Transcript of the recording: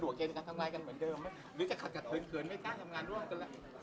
หรือแค่เกินไม่กล้าทำงานร่วมกันแหละ